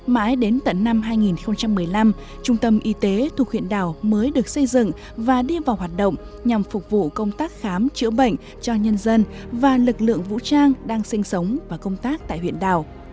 mãi đến tận năm hai nghìn một mươi năm trung tâm y tế thuộc huyện đảo mới được xây dựng và đi vào hoạt động nhằm phục vụ công tác khám chữa bệnh cho nhân dân và lực lượng vũ trang đang sinh sống và công tác tại huyện đảo